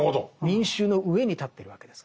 民衆の上に立ってるわけですから。